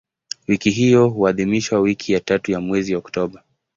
Wiki hiyo huadhimishwa wiki ya tatu ya mwezi Oktoba.